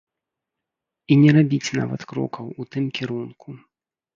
І не рабіць нават крокаў у тым кірунку.